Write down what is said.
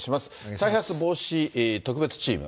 再発防止特別チーム。